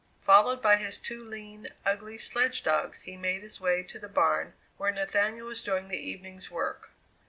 Followed by his two lean, ugly sledge dogs he made his way to the barn where Nathaniel was doing the evening's work.